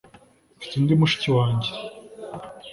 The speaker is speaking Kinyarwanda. mfite undi mushiki wanjye